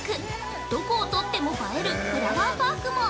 どこをとっても映えるフラワーパークも！